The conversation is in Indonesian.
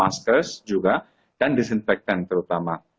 maskers juga dan disinfectant terutama